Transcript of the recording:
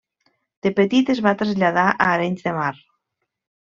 De petit es va traslladar a Arenys de Mar.